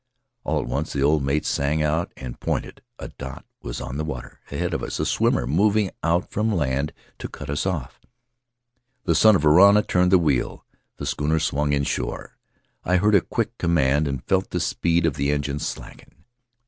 All at once the old mate sang out and pointed — a dot was on the water ahead of us, a swimmer moving out from land to cut us off. The son of Varana turned the wheel; the schooner swung inshore; I heard a quick command and felt the speed of the engine slacken.